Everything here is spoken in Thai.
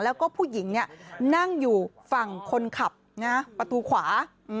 แล้วก็ผู้หญิงนั่งอยู่ฝั่งคนขับประตูขวา